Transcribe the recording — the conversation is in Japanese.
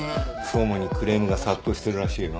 総務にクレームが殺到してるらしいよ。